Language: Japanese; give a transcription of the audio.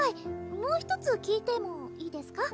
もう一つ聞いてもいいですか？